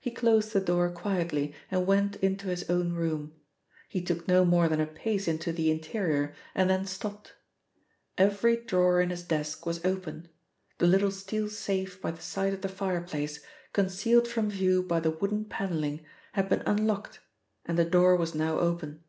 He closed the door quietly and went into his own room. He took no more than a pace into the interior and then stopped. Every drawer in his desk was open. The little steel safe by the side of the fireplace, concealed from view by the wooden panelling, had been unlocked and the door was now open.